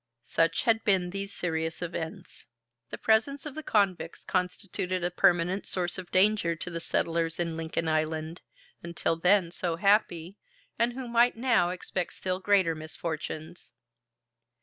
Such had been these serious events. The presence of the convicts constituted a permanent source of danger to the settlers in Lincoln Island, until then so happy, and who might now expect still greater misfortunes.